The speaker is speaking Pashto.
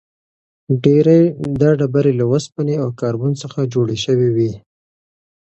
ډېری دا ډبرې له اوسپنې او کاربن څخه جوړې شوې وي.